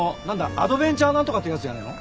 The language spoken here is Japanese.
アドベンチャーなんとかっていうやつじゃねえの？